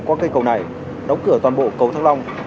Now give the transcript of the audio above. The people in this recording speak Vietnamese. qua cây cầu này đóng cửa toàn bộ cầu thăng long